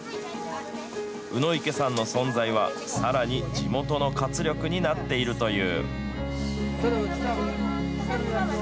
鵜池さんの存在は、さらに地元の活力になっているという。